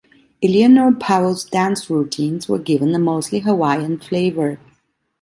Eleanor Powell's dance routines were given a mostly Hawaiian flavor.